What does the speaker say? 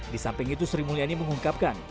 di samping itu sri mulyani mengungkapkan